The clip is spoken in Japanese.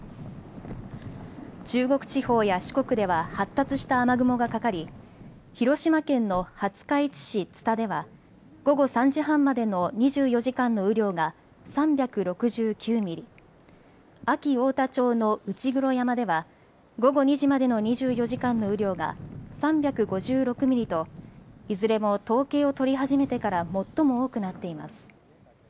中国地方や四国では、発達した雨雲がかかり、広島県の廿日市市津田では、午後３時半までの２４時間の雨量が３６９ミリ、安芸太田町の内黒山では、午後２時までの２４時間の雨量が３５６ミリと、いずれも統計を取り始めてから最も多くなっています。